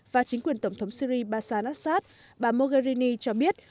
và chính quyền tổng thống syri bashar al assad bà mogherini cho biết